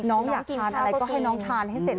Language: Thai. น้องอยากทานอะไรก็ให้น้องทานให้เสร็จ